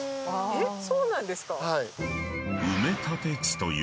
えっそうなんですか